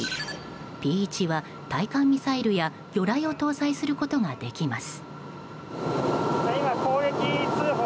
Ｐ１は対艦ミサイルや魚雷を搭載することができます。